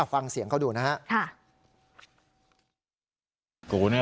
ฟังเสียงเขาดูนะฮะ